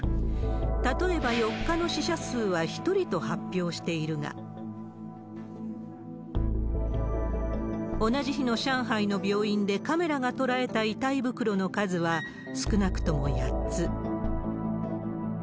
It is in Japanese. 例えば４日の死者数は１人と発表しているが、同じ日の上海の病院でカメラが捉えた遺体袋の数は、少なくとも８つ。